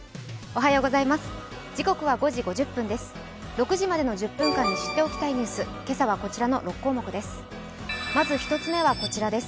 ６時までの１０分間に知っておきたいニュース、今朝はこちらの６項目です。